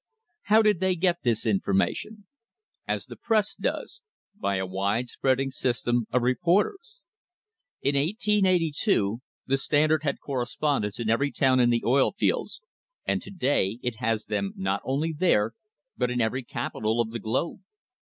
How did they get this information? As the press does by a wide spreading system of reporters. In 1882 the Standard had correspondents in every town in the oil fields, and to day it has them not only there but in every capital of the globe.